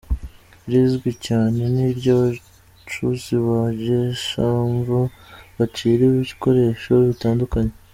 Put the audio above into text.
Irizwi cyane ni iry’abacuzi ba Gishamvu bacira ibikoresho bitandukanye.